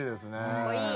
・かっこいい！